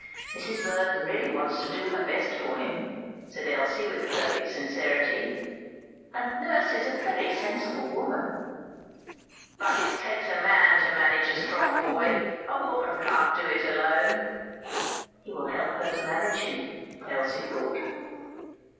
"Mrs. Verdon really wants to do her best for him," said Elsie, with perfect sincerity. "And nurse is a very sensible woman." "But it takes a man to manage a strong boy. A woman can't do it alone." "He will help her to manage him," Elsie thought.